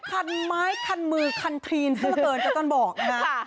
กันไม้กันมือกันทีนซะปะเติลเจ้าจ้อนบอกส่าย